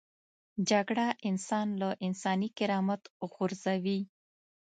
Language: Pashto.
جګړه انسان له انساني کرامت غورځوي